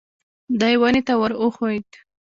دی ونې ته ور وښوېد.